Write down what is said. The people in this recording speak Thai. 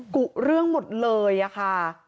กุเรื่องหมดเลยอะค่ะ